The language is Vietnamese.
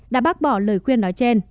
đã bác bỏ lời khuyên nói trên